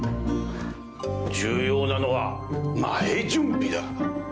重要なのは前準備だ。